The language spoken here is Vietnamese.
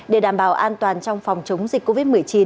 để đảm bảo an toàn trong phòng chống dịch covid một mươi chín